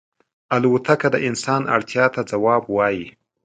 الوتکه د انسان اړتیا ته ځواب وايي.